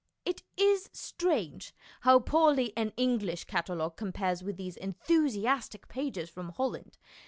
It is strange how poorly an English cata logue compares with these enthusiastic pages from Holland.